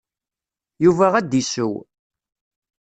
Yuba ad d-issew.